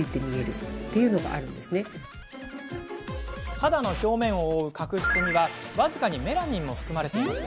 肌の表面を覆う角質には僅かにメラニンも含まれています。